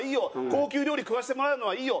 高級料理食わせてもらうのはいいよ。